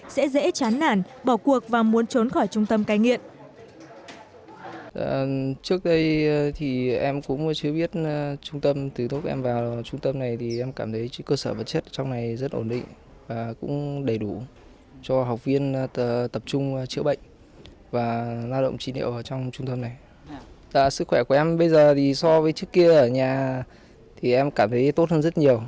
sẽ dễ chán nản bỏ cuộc và muốn trốn khỏi trung tâm cai nghiện